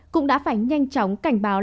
cũng đã phải nhanh chóng cảnh báo